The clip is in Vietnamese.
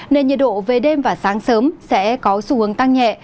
nên nhiệt độ về đêm và sáng sớm sẽ có xu hướng tăng nhẹ